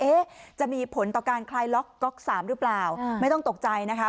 จะมีผลต่อการคลายล็อกก๊อก๓หรือเปล่าไม่ต้องตกใจนะคะ